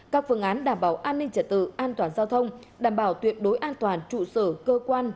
các phương án đảm bảo an ninh trả tự an toàn giao thông đảm bảo tuyệt đối an toàn trụ sở cơ quan